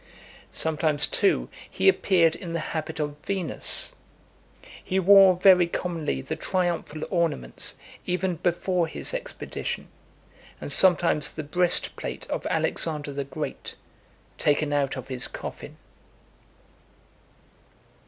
Sometimes, too, he appeared in the habit of Venus. He wore very commonly the triumphal ornaments, even before his expedition, and sometimes the breast plate of Alexander the Great, taken out of his coffin.